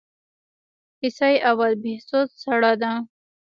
حصه اول بهسود سړه ده؟